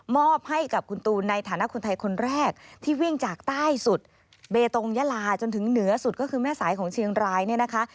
อบให้กับคุณตูนในฐานะคนไทยคนแรกที่วิ่งจากใต้สุดเบตงยาลาจนถึงเหนือสุดก็คือแม่สายของเชียงรายเนี่ยนะคะ